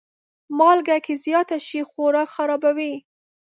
مالګه که زیاته شي، خوراک خرابوي.